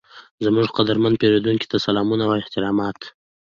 زموږ قدرمن پیرودونکي ته سلامونه او احترامات،